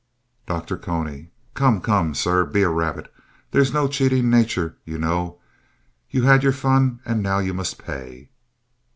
DR. CONY Come, come, sir, be a rabbit. There's no cheating nature, you know. You had your fun, and now you must pay.